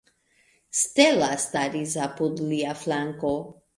Stella staris apud lia flanko.